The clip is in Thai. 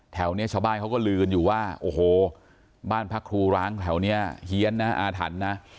แถวนี้ชาวบ้านเขาก็ลือกันอยู่ว่าโอ้โหบ้านพักครูร้างแถวนี้เฮียนนะอาถรรพ์นะ